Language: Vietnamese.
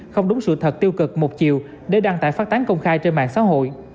không đúng sự thật tiêu cực một chiều để đăng tải phát tán công khai trên mạng xã hội